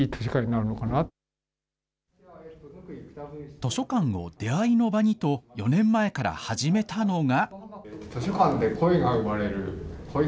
図書館を出会いの場にと、４年前から始めたのが。